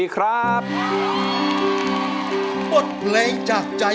ขอบคุณค่ะ